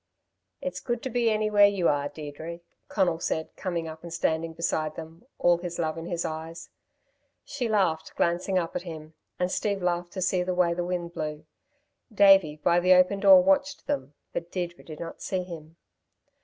"It's good to be anywhere you are, Deirdre!" Conal said, coming up and standing beside them, all his love in his eyes. She laughed, glancing up at him, and Steve laughed to see the way the wind blew. Davey by the open door, watched them; but Deirdre did not see him.